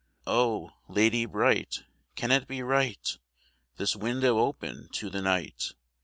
Oh, lady bright! can it be right This window open to the night!